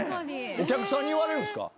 お客さんに言われるんすか？